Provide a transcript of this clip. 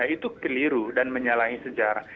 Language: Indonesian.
itu keliru dan menyalahi sejarah